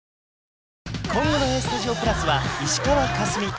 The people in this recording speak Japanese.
今後の「ＡＳＴＵＤＩＯ＋」は石川佳純